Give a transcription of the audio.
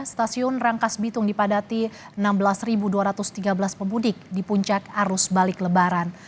stasiun rangkas bitung dipadati enam belas dua ratus tiga belas pemudik di puncak arus balik lebaran